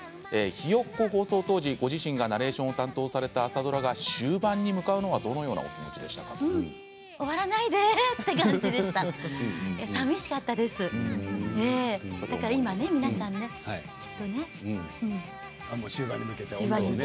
「ひよっこ」放送当時ご自身がナレーションを担当された朝ドラが終盤に向かうのは終わらないでという感じでした。